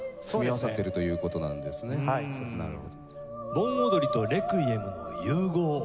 盆踊りと『レクイエム』の融合。